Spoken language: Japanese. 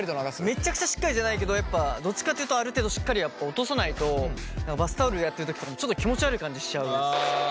めっちゃくちゃしっかりじゃないけどやっぱどっちかっていうとある程度しっかりやっぱ落とさないとバスタオルやってる時とかもちょっと気持ち悪い感じしちゃうんです。